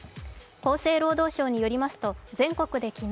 厚生労働省によりますと全国で昨日